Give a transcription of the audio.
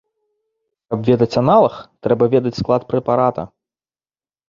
Каб ведаць аналаг, трэба ведаць склад прэпарата.